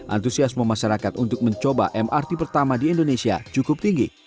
antusiasme masyarakat untuk mencoba mrt pertama di indonesia cukup tinggi